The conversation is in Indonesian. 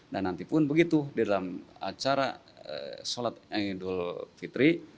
dan nantipun begitu di dalam acara salat idul fitri